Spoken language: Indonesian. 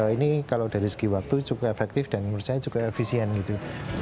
ini kalau dari segi waktu cukup efektif dan menurut saya cukup efisien gitu